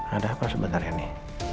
ada apa sebenarnya nih